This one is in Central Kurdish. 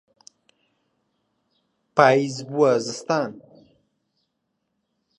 پاییز بووە زستان.